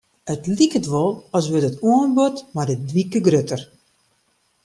It liket wol as wurdt it oanbod mei de wike grutter.